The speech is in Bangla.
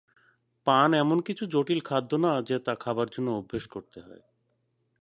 পান এমন কিছু জটিল খাদ্য না যে তা খাবার জন্যে অভ্যাস করতে হয়।